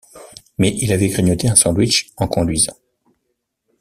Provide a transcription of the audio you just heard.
Mais il avait grignoté un sandwich en conduisant.